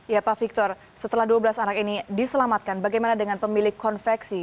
ya pak victor setelah dua belas anak ini diselamatkan bagaimana dengan pemilik konveksi